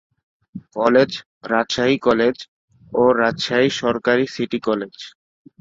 College -Rajshahi college ও রাজশাহী সরকারি city college.